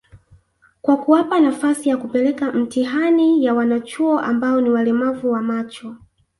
kwa kuwapa nafasi ya kupeleka mtihani ya wanachuo ambao ni walemavu wa macho